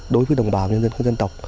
đối với đồng bào nhân dân các dân tộc